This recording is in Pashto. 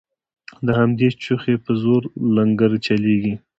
د همدې چوخې په زور لنګرچلیږي